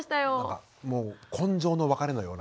もう今生の別れのような。